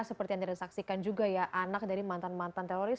seperti yang disaksikan juga ya anak dari mantan mantan teroris